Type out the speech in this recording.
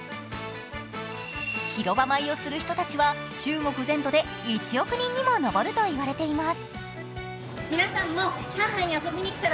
広場舞をする人たちは中国全土で１億人にも上るといわれています。